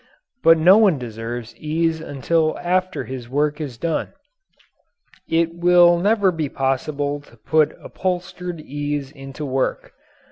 But no one deserves ease until after his work is done. It will never be possible to put upholstered ease into work.